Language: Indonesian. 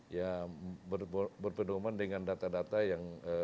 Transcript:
ya berpedoman dengan data data yang